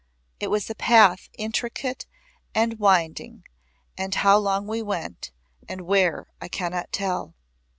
It was a path intricate and winding and how long we went, and where, I cannot tell.